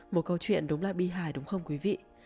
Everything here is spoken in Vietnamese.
một câu chuyện đúng là bi hài đúng không quý vị